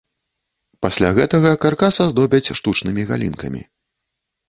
Пасля гэтага каркас аздобяць штучнымі галінкамі.